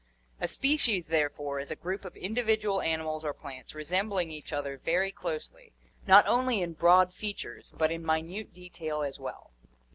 A species therefore is a group of individual animals or plants resembling each other very closely, not only in broad features but in minute detail as well.